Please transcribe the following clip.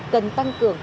cần tăng cường